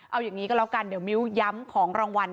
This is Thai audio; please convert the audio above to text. เอาอย่างนี้ก็แล้วกันเดี๋ยวมิ้วย้ำของรางวัล